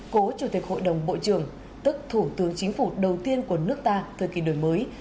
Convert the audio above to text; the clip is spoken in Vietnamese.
cố chủ tịch hội đồng bộ trưởng tức thủ tướng chính phủ đầu tiên của nước ta thời kỳ đổi mới